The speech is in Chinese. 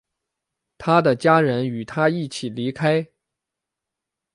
他的家人与他一起离开。